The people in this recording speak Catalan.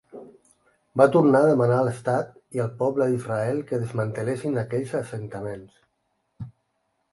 Va tornar a demanar a l'estat i el poble d'Israel que desmantellessin aquells assentaments.